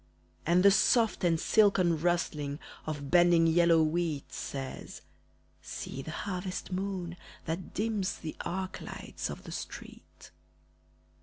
And the soft and silken rustling Of bending yellow wheat Says, "See the harvest moon that dims The arc lights of the street."